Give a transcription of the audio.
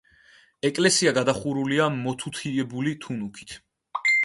ეკლესია გადახურულია მოთუთიებული თუნუქით.